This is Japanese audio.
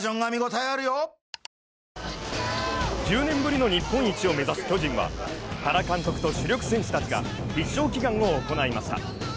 ＪＴ１０年ぶりの日本一を目指す巨人は原監督と主力選手たちが必勝祈願を行いました